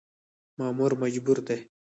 مامور مجبور دی .